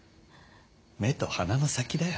目と鼻の先だよ。